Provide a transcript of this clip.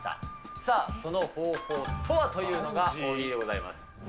さあ、その方法とはというのが大喜利でございます。